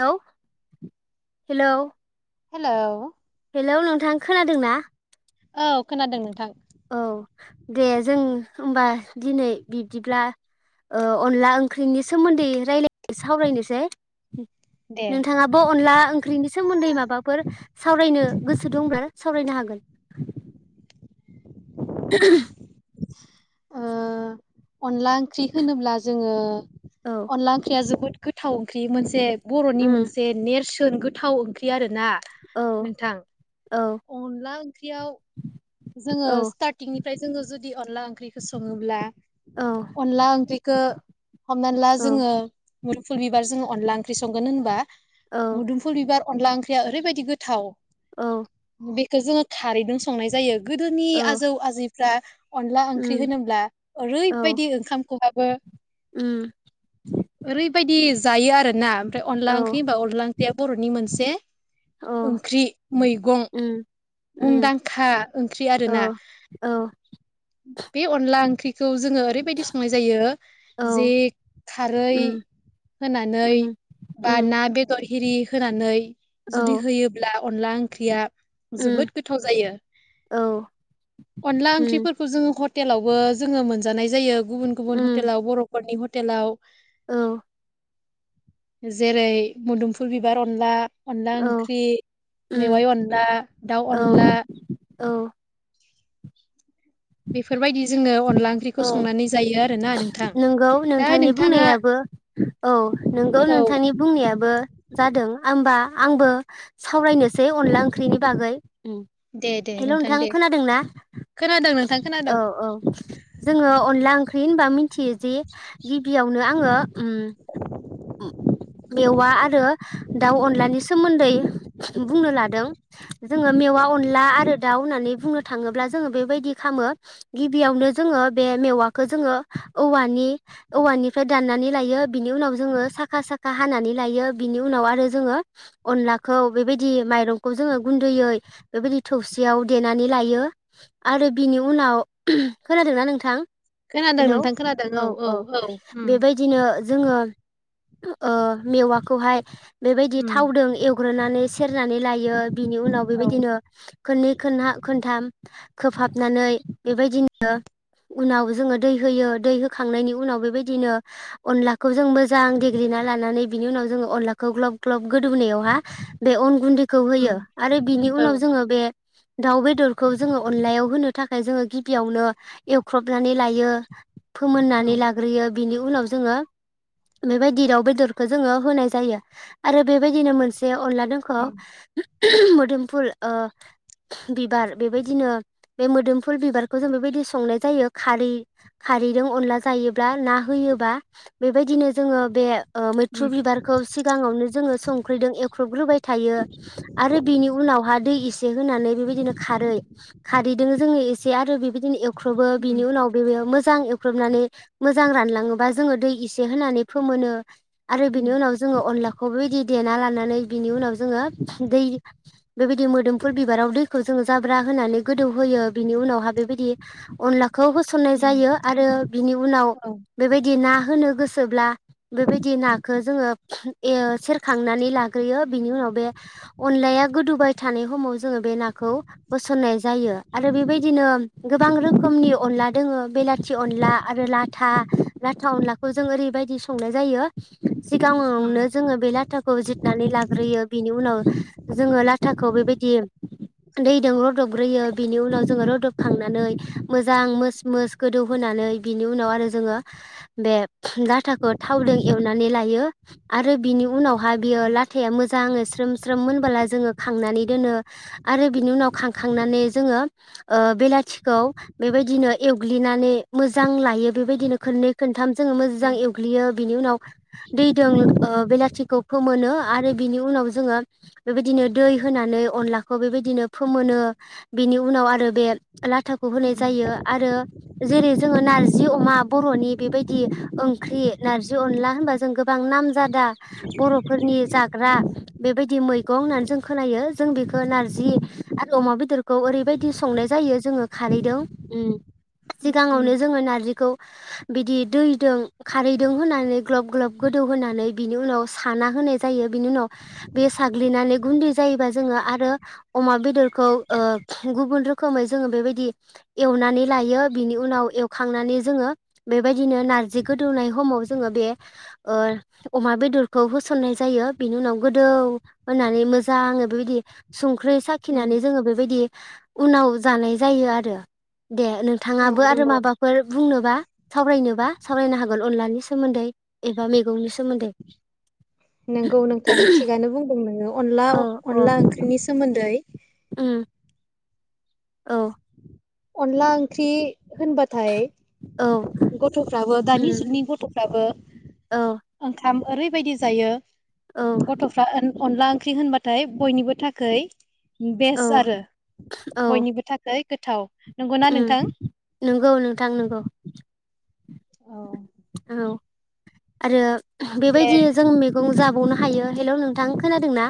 हेल' hello हेल' hello नोंथां खोनादों ना? औ खोनादों नोंथां। औ दे जों होमबा दिनै बिब्दिब्ला अनला ओंख्रिनि सोमोन्दै रायलाय सावरायनोसै दे नोंथाङाबो अनला ओंख्रिनि सोमोन्दै माबाफोर सावरायनो गोसो दंबा? सावरायनो हागोन [inaudible] ओ अनला ओंख्रि होनोब्ला जोङो औ अनला ओंख्रिया जोबोद गोथाव ओंख्रि मोनसे बर'नि उम मोनसे नेरसो गोथाव ओंख्रि आरो ना औ नोंथां औ अनला ओंख्रियाव जोङो औ सिथारथिंनिफ्राय जोङो जुदि अनला ओंख्रिखौ सङोब्ला औ अनला ओंख्रिखौ हमनानै ला औ जोङो मुदुफुल बिबार जो अनला ओंख्रि संगोन होनबा औ मुदुमफुल बिबार अनला ओंख्रिया ओरैबायदि गोथाव औ बेखौ जोङो खारैजों संनाय जायो गोदोनि औ आजौ आजै जा अनला ओंख्रि उम होनोब्ला औ ओरैबायदि ओंखामखहाबो उम ओरैबायदि जायो आरो ना ओमफ्राय औ अनला ओंख्रि होनबा अनला ओंख्रिया बर'नि मोनसे [unintelligible] औ ओंख्रि मैगं उम उम मुंदांखा ओंख्रि औ आरोना औ बे अनला ओंख्रिखौ जोङो ओरैबायदि संनाय जायो जे औ खारै उम होनानै उम बा उम ना बेदर हिरि होनानै औ जुदि होयोब्ला अनला ओंख्रिया उम जोबोद गोथाव जायो औ अनला उम ओंख्रिफोरखौ जोङो हटेलावबो जोङो मोनजानाय जायो गुबुन गुबुन उम हटेलाव बर'फोरनि हतेलााव औ जेरै मोदोमफुल बिबार अनला अनला औ ओंख्रि उम मेवाइ अनला दाउ औ अनला औ बेफोरबायदि जोङो अनला अनला ओंख्रिखौ औ संनानै जायो आरो नोंगौ नोंथांनि बुंनायाबो औ नंगौ औ नोंथांनि बुंनायाबो जादों आं होबा आंबो सावरायनोसै अनला ओंख्रिनि बागै दे दे हेल' नोंथां दे खोनादोंना खोनादों नोंथां खोनादों औ-औ जोङो अनला ओंख थै होनबा मिथियो जि गिबियावनो आङो ओम मेवा आरो दाउ अनलानि सो सोमोन्दै बुंनो लादों जोङो मेवा अनला आरो दाउ होननानै बुंनो थाङोब्ला जोङो बेबायदि खामो गिबियावनो जोङो बे मेवा खौ जोङो औवानि औवानिफ्राय दाननानै लायो बिनि उनाव जोङो साखा साखा हानानै लायो बिनि उनाव आरो जोङो अनलाखौ बेबायदि माइरंखौ जोङो गुन्दैयै बेबायदि थौसियाव देनानै लायो आरो बिनि उनाव खोनादोंना नोंथां खोनादों हेल' नोंथां खोनादों औ औ औ-औ औ उम बेबायदिनो जोङो ओ मेवाखौहाय बेबायदि उम थावदों एवग्रोनानै नानै सेरनानै लायो बिनि उनाव औ बेबायदिनो खोननै खोनहा खोनथाम खोबहाबनानै बेबायदिनो उनाव जोङो दै होयो दै होखांनायनि उनाव बेबायदिनो अनलाखौ जों मोेजां देग्लिना लानानै बेनि उनाव जोङो अनलाखौ ग्लब ग्लब गोदौहोनायावहा बे अन गुन्दैखौ होयो उम आरो बिनि औ उनाव जोङो बे दाउ बेदरखौ जोङो अनलायाव होनो थाखाय जोङो गिबियावनो एवख्रबनानै ला यो औ फोमोननानै लाग्रोयो बिनि उनाव जोङो बेबायदि दाव बेदरखौ जोङो होनाय जायो आरो बेबायदिनो मोनसे अनला खौ उम मोदोमफुल ओ बिबार बेबायदिनो बे मोदोमफुल बिबारखौ जों बेबायदि संनाय जायो खारै खारैजों अनला जायोब्ला ना होयोबा बेबायदिनो जोङो बे ओ मैथ्रु उम बिबारखौ सिगाङावनो जोङो संख्रिदों एख्रबग्रोबाय थायो आरो बिनि उनावहा दै इ से होनानै बेबाय दिनो खारै खारैदो जोङो ए से आरो बिबायदिनो एव ख्रुबो उम बिनि उनाव मोजां एवख्रबनानै मोजां रानलाङोबा जोङो दै इसे होनानै फोमोनो आरो उम बिनि उनाव जोङो अनला खौ बेबायदि देना लानानै बिनि उनाव जोङो दै बेबायदि मोदोमफुल बिबाराव दै खौ जोङो ज्राबा होनानै गोदौ होयो बिनि उनावहा बेबायदि अनलाखौ हो सननाय उम जायो आरो बिनि उनाव औ बेबायदि ना होनो गोसोब्ला बेबायदि नाखौ जोङो सेरखांनानै लाग्रोयो बिनि उनाव बे अनलाया गोदौबाय थानाय समाव जों बे नाखौ होसननाय जायो आरो बेबायदिनो गोबां रोखोमनि अनला दोङो बेलाथि अनला आरो लाथा लाथा अनलाखौ जों ओरैबायदि संनाय जायो सिगाङावनो उम जोङो बे लाथाखौ जिरनानै लाग्रोयो बिनि उनाव जोङो लाथाखौ बेबाय दि दैजों रुदबग्रोयो बिनि उनाव जोङो रुदबखांनानै मोजां मो मोस गोदौहानै बिनि उनाव आरो जोङो बे लाथाखौ थावजों एवनानै लायो आरो बिनि उनावहा बियो लाथाया मोजाङै स्रोम स्रोम मोनबोला जोङो खांनानै दोनो आरो बिनि उनाव खांखांनानै जोङो ओ बेलाथिखौ बेबायदिनो एवग्लिनानै मोजां लायो बेबायदिनो खननै खनथाम जोङो मोजां एवग्लियो बिनि उनाव दै दों ओ बेलाथिखौ फोमोनो आरो बिनि उनाव जोङो बेबायदिनो दै होनानै अनलाखौ बेबायदिनो फोमोनो बिनि उनाव आरो बे लाथाखौ होनाय उम जायो जेरै जोङो नारजि अमा बर'नि बेबायदि ओंख्रि नारजि अनला होनबा जों गोबां नाम जादा बर'फोरनि जाग्रा बेबायदि मैगं होननानै जों खोनायो जों बेखौ नारजि आरो अमा बेदरखौ ओरैबायदि संनाय जायो जोङो खारैदों उम सिगाङावनो उम जोङो नारजिखौ बिदि दैदों खारैदों होनानै ग्लब ग्लब गोदौ होनानै बिनि उनाव साना होनाय जायो बिनि उनाव बे साग्लिनानै गुंग्ले जायोबा जोङो आरो अमा बेदरखौ ओ गुबुन रोखोमै जोङो बेबायदि एवनानै लायो बिनि उनाव एवखांनानै जोङो बेबायदिनो नारजि गोदौनाय हमाव जोङो बे ओ अमा बेदरखौ होसननाय जायो बेनि उनाव गोदौ होनानै मोजाङै बेबायदि सं ख्रि साखिनानै जोङो बेबायदि उनाव जानाय जायो आरो दे नोंथाङाबो औ आरो नंगौ माबाफोर बुंनोबा सावरायनोबा सावरायनो हागोन अनलानि सोमोन्दै एबा मैगंनि सोमोन्दै नंगौ नोंथां थिगानो बुंदों नोङो अनला औ औ अनला ओंख्रिनि सोमोन्दै उम औ अनला ओंख्रि होनबाथाय औ गथ'फ्राबो दानि उम जुगनि गथ'फ्राबो औ ओंखाम ओरैबायदि जायो औ गथ'फ्रा अनला ओंख्रि होनबाथाय बयनिबो थाखाय औ बेस्ट आरो औ बयनिबो थाखाय गोथाव नंगौना नोंथां उम नंगौ नोंथां नंगौ औ औ आरो दे बेबायदि जों मैगं जा बावनो हायो हेल' नोंथां खोनादों ना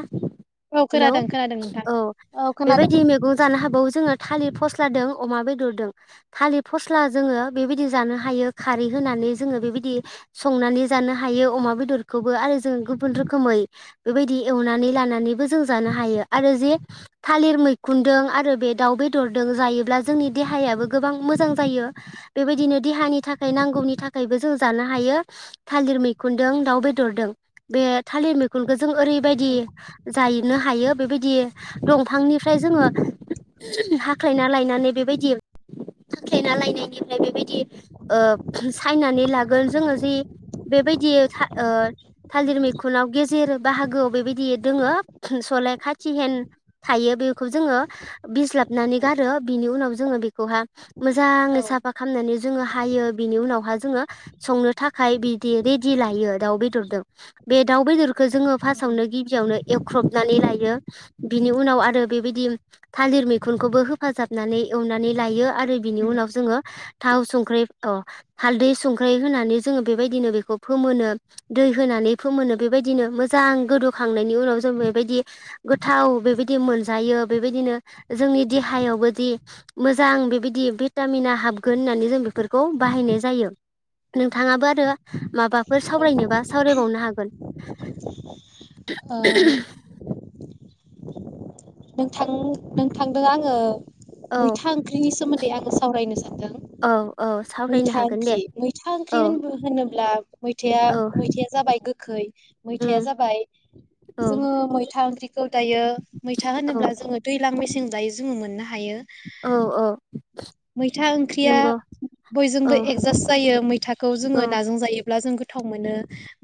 औ हेलौ खोनादों खोनादों नोंथां औ औ खोनादों बेबायदि मैगं जानो हाबावो जोङो थालिर फस्ला दों अमा बेदरदों थालिर फस्ला जोङो बेबायदि जानो हायो खारै होनानै जोङो बेबायदि संनानै जानो हायो अमा बेदरखौबो आरो जों गुबुन रोखोमै बेबायदि एवनानै लानानैबो जों जानो हायो आरो जे थालिर मैखुनदों आरो बे दाउ बेदरदों जायोब्ला जोंनि देहायाबो गोबां मोजां जायो बेबायदिनो देहानि थाखाय नांगौनि था खायबो जों जानो हायो थालिर मैखुनदों दाउ बेदरदों बे थालिर मैखुनखौ जों ओरैबायदि जाहैनो हायो बेबायदि दंफांनिफ्राय जोङो हाख्लायना लायनानै बे बायदि हाख्लायना लायनायनिफ्राय बेबायदि ओ लागोन जोङो जि बेबादि ओ थालिर मैखुनाव गे जेर बाहागोआव बेबायदि दोङो सलाय खाथिहेन थायो बेखौ जोङो बिजस्लाबनानै गारो बिनि उनाव जोङो बेखौहा औ ओ मोजाङै साफा खालामनानै जोङो हायो बिनि उनाव जोङो संनो थाखाय बिदि रेदि लायो दाउ बेदरदों बे दाउ बेदर खौ जोङो फार्स्टआवनो गिबियावनो एवख्रबनानै लायो बिनि उनाव आरो बेबायदि थालिर मैखुनखौबो होफाजाबनानै एवनानै लायो आरो बिनि नोंथां उनाव जोङो थाव संख्रि अह हालदै संख्रै होनानै जोङो बेबायदिनो बेखौ फोमोनो दै होनानै फोमोनो बेबायदिनो मोजां गोदौखांनायनि उनाव जों बेबायदि गोथाव बेबायदि मोनजायो बेबायदिनो जोंनि देहायावबोदि मोजां बेबायदि भिटामिना हाबगोन होननानै जों बेफोरखौ बाहायनाय जा जायो नोंथाङाबो आरो माबाफोर सावरायनोबा सावरायबावनो हागोन नोंथां नोंथांजों आङो औ मैथा ओंख्रिनि सोमोन्दै आङो सावरायनो सानदों औ औ सावरायनो मैथा हागोन दे ओंख्रि मैथा ओंख्रि औ होन होनोब्ला मैथा औ मैथाया जाबाय गोखै मैथाया उम जाबाय औ जोङो मैथा ओंख्रिखौ दायो मैथा औ होनोब्ला जोङो दैलां मेसें जों दायो जोङो मोननो हा हायो औ औ मैथा ओंख्रिया नंगौ औ बयजोंबो एडजास्ट जायो मैथाखौ औ जोङो नाजों जायो ब्ला जों गोथाव मोनो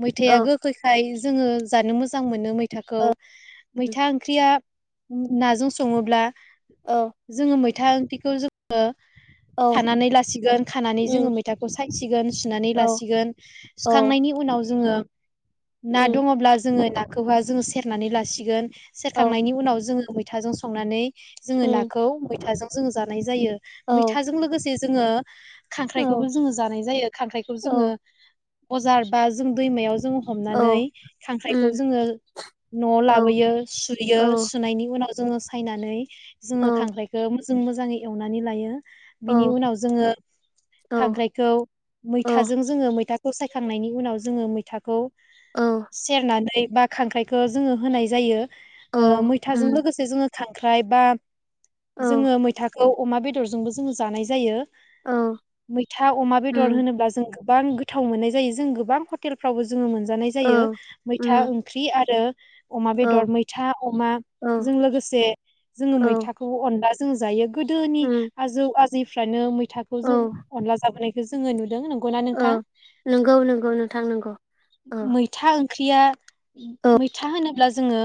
मैथाया औ गोखैखाय जोङो जानो मोजां मोनो मै मैथाखौ औ मैथा ओंख्रिया नाजों सङोब्ला औ जोङो मै मैथा ओंख्रिखौ जोङो औ खानानै लासिगोन खानानै जोङो उम मैथाखौ सायसिगोन सुनानै औ लासिगोन औ सुखांनायनि उनाव जों जोङो ना उम दङब्ला जोङो ना खौहा जोङो सेरनानै लासिगोन। औ सेरखांनायनि उनाव जोङो मैथाजों संनानै जोङो उम नाखौ मैथाजों जोङो जानाय जायो औ मैथाजों लोगोसे जोङो खांख्राइखौबो जोङो जानाय जायो खांख्राइखौ औ जोङो बजार बा जों दैमायाव जों औ हमनानै खांख्राइखौ उम जोङो न'आव औ लाबोयो सुयो औ गुबुनाव जोङो सायनानै औ जोङो खांख्रायखौ जों मोजाङै एवनानै लायो। बिनि उनाव जोङो खांख्राइखौ औ मैथाजों जोङो मैथा फसायखांनायनि उनाव जोङो मैथाखौ सेरनानै बा खांख्राइखौ जोङो होनाय जायो। औ ओ मै थां उम लोगोसे जोङो खांख्राय बा औ जोङो मैथा अमा बेदरजोंबो जोङो जानाय जायो। औ मैथा अमा उम बेदर होनोब्ला जों गोबां गोथाव मोननाय जायो जों गोबां हटेलफ्रावबो जोङो मोनजानाय जायो औ मैथा उम ओंख्रि आरो अमा औ बेदर मैथा अमा औ जों लोगोसे जोङो औ मैथाखौ अन लाजों जायो। गोदोनि उम आजौ आजै फ्रानो मै औ अला जोनायखौ जोङो नुदों नंगौना नोंथां नंगौ नंगौ नोंथां नंगौ औ मैथा ख्रिया औ मैथा होनो ब्ला जोङो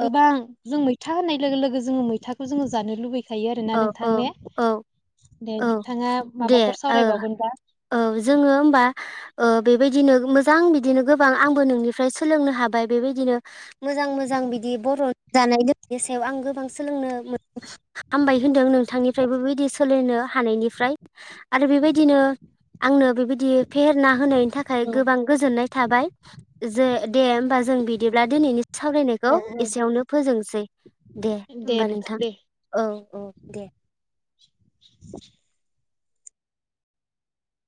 औ जों मैथा होननाय लोगो लोगो जोङो मैथाखौ जोङो जानो लुबैयो खायो आरोना नोंथां औ ने, औ दे औ नोंथाङा दे माबाफोर ओ सावरायबावगोनबा औ जोङो होमबा ओ बेबायदिनो मोजां बिदिनो गोबां आंबो नोंनिफ्राय सोलोंनो हाबाय बेबायदिनो मोजां मोजां बिदि बर' जानाय लोंनायनि सायाव आं गोबां सोलोंनो मोनो हामबाय होनदों नों थांनिफ्रायबो बिदि सोलोंनो हानायनिफ्राय आरो बेबायदिनो आंनो बेबायदि फेहेरना होनायनि थाखाय औ गोबां गोजोननाय थाबाय। जो दे होमबा जों बिदिब्ला दिनैनि औ सावरायनायखौ औ एसेयावनो फोजोंसै दे होमबा नोंथां। औ औ दे। [inaudible]